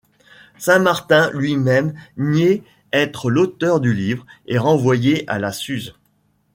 Saint-Martin lui-même nié être l'auteur du livre et renvoyé à la Suze.